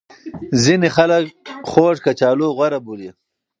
ځینې خلک خوږ کچالو غوره بولي.